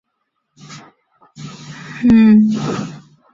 普洛内韦迪福人口变化图示